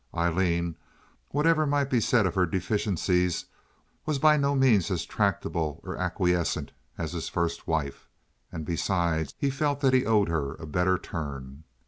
Aileen, whatever might be said of her deficiencies, was by no means as tractable or acquiescent as his first wife. And, besides, he felt that he owed her a better turn.